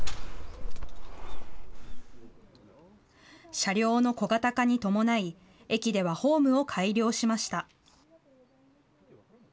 車両の小型化に伴い、駅ではホームを改良しました。